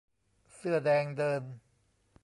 เสื้อแดงเดิน